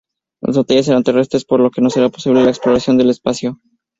Las batallas serán terrestres, por lo que no será posible la exploración del espacio.